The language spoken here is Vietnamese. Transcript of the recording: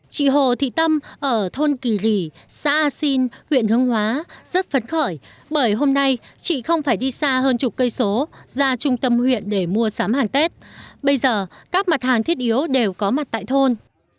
chị hồ thị tâm ở thôn kỳ rì xã a xin huyện hương hóa rất phấn khởi bởi hôm nay chị không phải đi xa hơn chục cây số ra trung tâm huyện để mua sắm hàng tết bây giờ các mặt hàng thiết yếu đều có mặt tại thôn